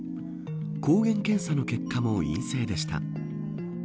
抗原検査の結果も陰性でした。